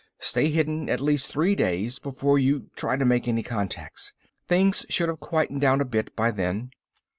Stay hidden at least three days before you try to make any contacts. Things should have quieted down a bit by then."